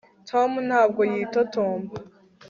tom ntabwo yitotomba